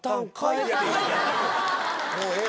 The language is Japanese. もうええ